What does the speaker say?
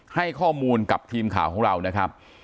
ให้ข้อมูลกับทีมข่าวของเรานะครับ